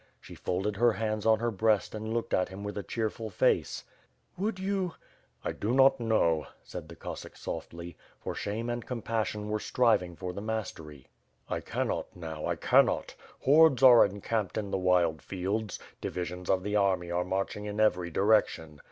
She folded her hands on her breast and looked at him with a cheerful face. VVould you? ...." "1 do not know/' said the Cossack softly, for shame and compassion were striving for the mastery. "I cannot now, I cannot. Hordes are encamped in the wild fields; divisions of the army are marching in every direction.